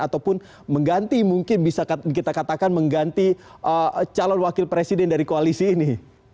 ataupun mengganti mungkin bisa kita katakan mengganti calon wakil presiden dari koalisi ini